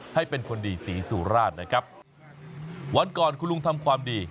ให้เป็นคนดีศรีสุราชนะครับวันก่อนคุณลุงทำความดี